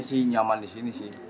sih nyaman di sini sih